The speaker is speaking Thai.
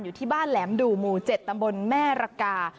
อยู่ที่บ้านแหลมดู่หมู่๗ตำบลแม่ระกา